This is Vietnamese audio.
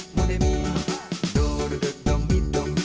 với câu hỏi cuối cùng